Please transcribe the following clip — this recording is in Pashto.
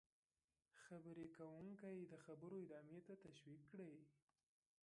-خبرې کوونکی د خبرو ادامې ته تشویق کړئ: